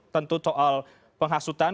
tentu soal penghasutan